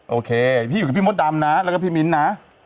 โอเคพี่อยู่กับพี่มดดำนะแล้วก็พี่มิ้นนะ